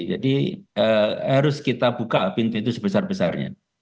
harus kita buka pintu itu sebesar besarnya